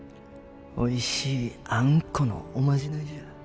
おいしいあんこのおまじないじゃ。